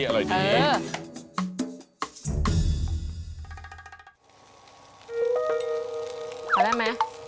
เอาได้ไหม